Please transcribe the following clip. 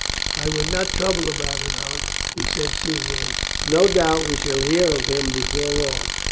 "I would not trouble about it, Aunt," he said, soothingly; "no doubt we shall hear of him before long.